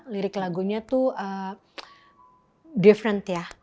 lirik lagunya tuh different ya